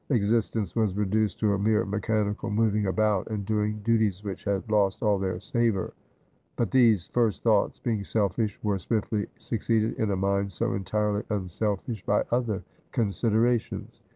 Existence was reduced to a mere mechanical moving about, and doing duties which had lost all their savour. But these first thoughts, being selfish, were swiftly succeeded in a mind so entirely un selfish by other considerations.